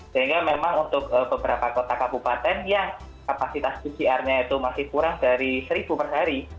sehingga memang untuk beberapa kota kabupaten yang kapasitas pcr nya itu masih kurang dari seribu per hari